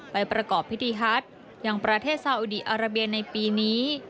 ประกอบพิธีฮัตยังประเทศซาอุดีอาราเบียในปีนี้